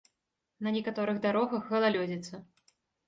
На некаторых дарогах галалёдзіца.